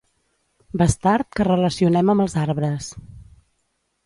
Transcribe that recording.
Bastard que relacionem amb els arbres.